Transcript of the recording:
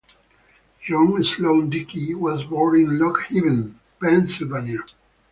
John Sloan Dickey was born in Lock Haven, Pennsylvania.